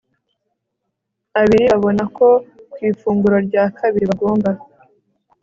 abiri babona ko ku ifunguro rya kabiri bagomba